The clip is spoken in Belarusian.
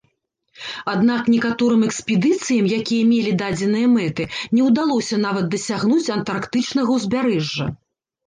Аднак некаторым экспедыцыям, якія мелі дадзеныя мэты, не ўдалося нават дасягнуць антарктычнага ўзбярэжжа.